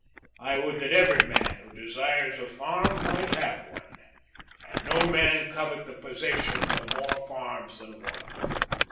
I would that every man who desires a farm might have one, and no man covet the possession of more farms than one."